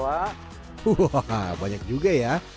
wah banyak juga ya